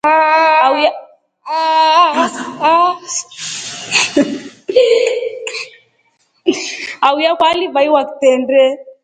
Auye akwa alivaiwa kitendee.